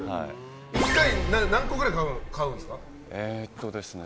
１回で何個ぐらい買うんですか？